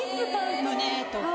胸とか。